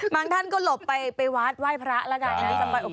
ท่านก็หลบไปวัดไหว้พระแล้วกัน